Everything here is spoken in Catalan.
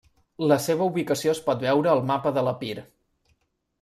La seva ubicació es pot veure al mapa de l'Epir.